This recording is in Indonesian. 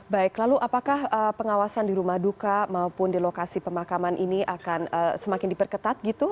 baik lalu apakah pengawasan di rumah duka maupun di lokasi pemakaman ini akan semakin diperketat gitu